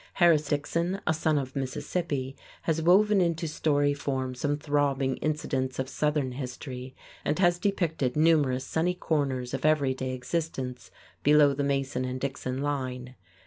Harris Dickson, a son of Mississippi, has woven into story form some throbbing incidents of Southern history, and has depicted numerous sunny corners of every day existence below the Mason and Dixon line.